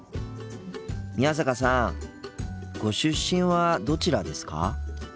宮坂さんご出身はどちらですか？